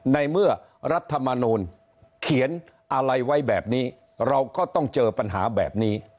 ในเมื่อรัฐมนูลเขียนอะไรไว้แบบนี้เราก็ต้องเจอปัญหาแบบนี้